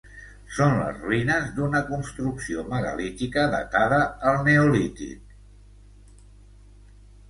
Són les ruïnes d'una construcció megalítica datada al Neolític.